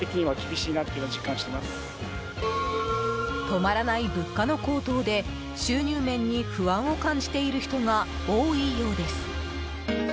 止まらない物価の高騰で収入面に不安を感じている人が多いようです。